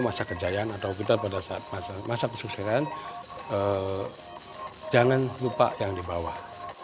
masa kerjaan atau kita pada masa kesuksesan jangan lupa yang di bawah